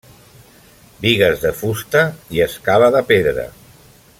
Bigues de fusta i escala de pedra.